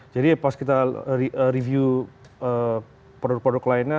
jadi pas kita review produk produk lainnya